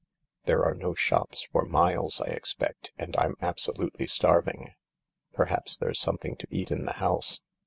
" There are no shops for miles, I expect, and I'm absolutely starving." " Perhaps there's something to eat in the house."